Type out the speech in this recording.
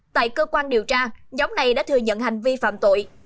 tại cơ quan điều tra nhóm này đã thừa nhận hành vi phạm tội